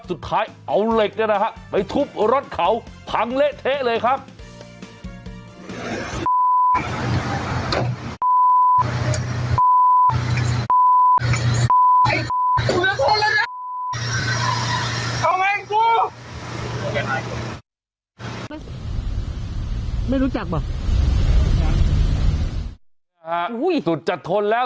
สุดท้ายเอาเหล็กเนี่ยนะฮะไปทุบรถเขาพังเละเทะเลยครับ